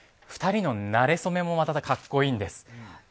２人のなれ初めもまた格好いいんです。